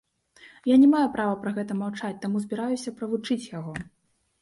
Я не маю права пра гэта маўчаць, таму збіраюся правучыць яго.